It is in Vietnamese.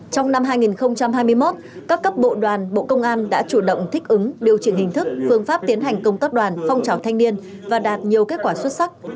trong năm hai nghìn hai mươi một các cấp bộ đoàn bộ công an đã chủ động thích ứng điều chỉnh hình thức phương pháp tiến hành công tác đoàn phong trào thanh niên và đạt nhiều kết quả xuất sắc